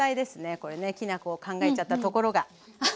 これねきな粉を考えちゃったところが。